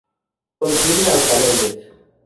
Contiene alcaloides.